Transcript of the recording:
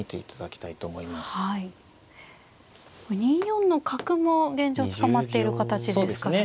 ２四の角も現状捕まっている形ですからね。